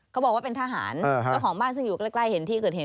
เขาบอกว่าเป็นทหารเจ้าของบ้านซึ่งอยู่ใกล้เห็นที่เกิดเหตุ